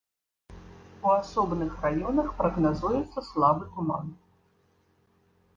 У асобных раёнах прагназуецца слабы туман.